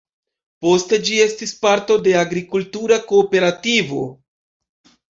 Poste ĝi estis parto de agrikultura kooperativo.